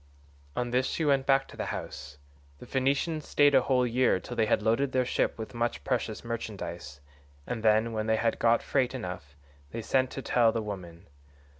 "On this she went back to the house. The Phoenicians stayed a whole year till they had loaded their ship with much precious merchandise, and then, when they had got freight enough, they sent to tell the woman.